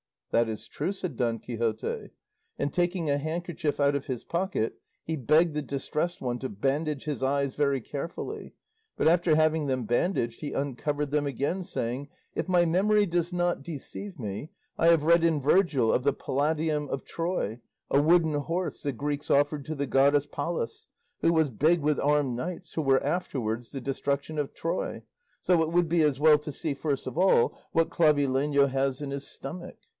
"That is true," said Don Quixote, and, taking a handkerchief out of his pocket, he begged the Distressed One to bandage his eyes very carefully; but after having them bandaged he uncovered them again, saying, "If my memory does not deceive me, I have read in Virgil of the Palladium of Troy, a wooden horse the Greeks offered to the goddess Pallas, which was big with armed knights, who were afterwards the destruction of Troy; so it would be as well to see, first of all, what Clavileño has in his stomach."